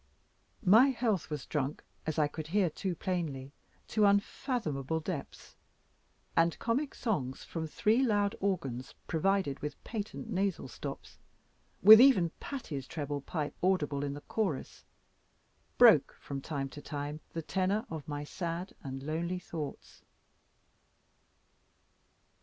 My health was drunk, as I could hear too plainly, to unfathomable depths: and comic songs from three loud organs, provided with patent nasal stops, with even Patty's treble pipe audible in the chorus, broke from time to time the tenour of my sad and lonely thoughts.